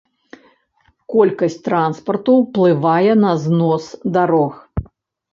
Колькасць транспарту ўплывае на знос дарог.